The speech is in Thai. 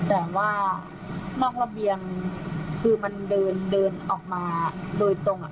แต่ว่านอกระเบียงคือมันเดินเดินออกมาโดยตรง